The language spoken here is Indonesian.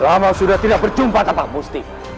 lama sudah tidak berjumpa tapak busti